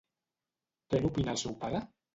Què n'opina el seu pare?